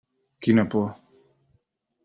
Quina por.